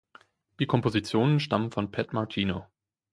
Die Kompositionen stammen von Pat Martino.